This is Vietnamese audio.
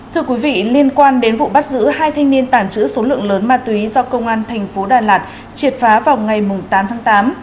thưa quý vị liên quan đến vụ bắt giữ hai thanh niên tàng trữ số lượng lớn ma túy do công an thành phố đà lạt triệt phá vào ngày tám tháng tám